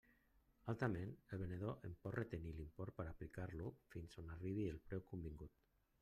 Altrament, el venedor en pot retenir l'import per a aplicar-lo fins a on arribi el preu convingut.